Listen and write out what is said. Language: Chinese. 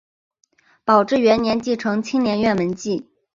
宝治元年继承青莲院门迹。